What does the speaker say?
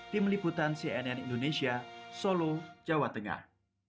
tim liputan cnn indonesia solo jawa tengah